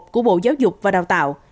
của bộ giáo dục và đào tạo